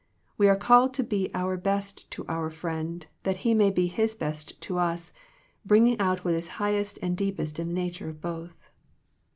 We are called to be our best to our friend, that he may be his best to us, bringing out what is highest and deepest in the nature of both.